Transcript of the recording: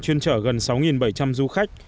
có một bảy trăm linh du khách